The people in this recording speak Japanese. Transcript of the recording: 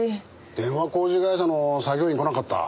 電話工事会社の作業員来なかった？